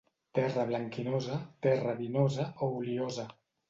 Terra blanquinosa, terra vinosa o oliosa.